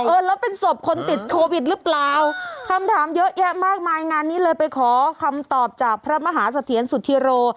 เออแล้วเป็นศพคนติดโควิดหรือเปล่าคำถามเยอะแยะมากมายงานนี้เลยไปขอคำตอบจากพระมหาเสถียรสุธิโร